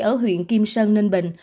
ở huyện kim sơn ninh bình